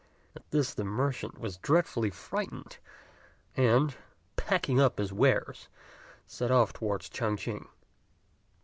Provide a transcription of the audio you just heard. At this the merchant was dreadfully frightened, and, packing up his wares, set off towards Ch'ang ch'ing.